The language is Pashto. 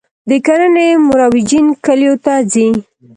د کرنې مرویجین کلیو ته ځي